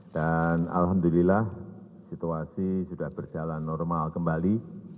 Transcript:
dan alhamdulillah situasi sudah berjalan normal kembali